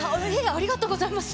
ありがとうございます。